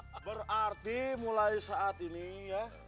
nah berarti mulai saat ini ya